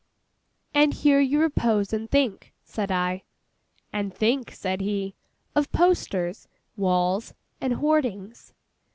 'And here you repose and think?' said I. 'And think,' said he, 'of posters—walls—and hoardings.